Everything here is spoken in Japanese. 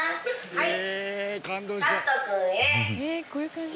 はい！